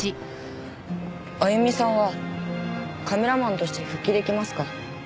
あゆみさんはカメラマンとして復帰できますか？